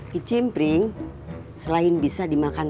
kicim pring selain bisa dimakan pakai nasi